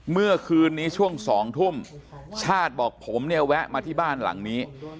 เมื่อคืนนี้ช่วง๒ทุ่มชาติบอกผมเนี่ยแวะมาที่บ้านหลังนี้